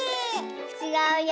ちがうよ。